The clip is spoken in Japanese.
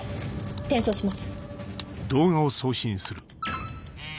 転送します。